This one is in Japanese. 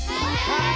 はい！